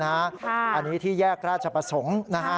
อันนี้ที่แยกราชประสงค์นะฮะ